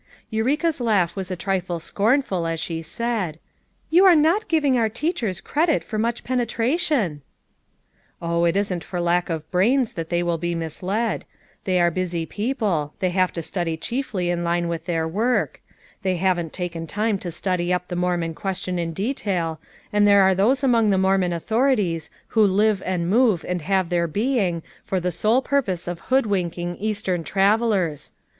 " Eureka's laugh was a trifle scornful as she said: "You are not giving our teachers credit for much penetration 1" "Oh, it isn't for lack of brains that they will be misled; they are busy people; they have to study chiefly in line with their work; they haven't taken time to study up the Mormon question in detail, and there are "those among the Mormon authorities who 'live and move and have their being' for the sole purpose of hood winking Eastern travelers.